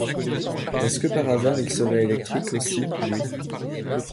Est-ce que, par hasard, il serait électrique aussi, lui ?